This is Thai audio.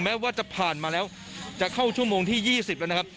แม้ว่าจะผ่านมาแล้วจะเข้าชั่วโมงที่๒๐แล้วนะครับ